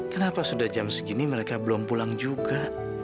kenapa sudah jam segini mereka belum pulang juga